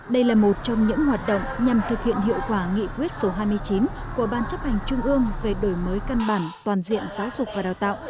đây là một trong những hoạt động nhằm thực hiện hiệu quả nghị quyết số hai mươi chín của ban chấp hành trung ương về đổi mới căn bản toàn diện giáo dục và đào tạo